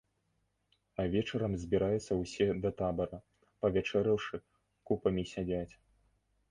А вечарам збіраюцца ўсе да табара, павячэраўшы, купамі сядзяць.